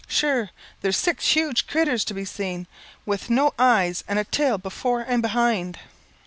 Shure there's six huge critters to be seen, with no eyes, and a tail before and behind."